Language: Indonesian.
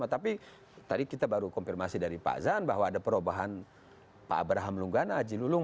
tapi tadi kita baru konfirmasi dari pak zan bahwa ada perubahan pak abraham lunggana haji lulung